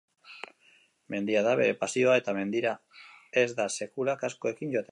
Mendia da bere pasioa eta mendira ez da sekula kaskoekin joaten.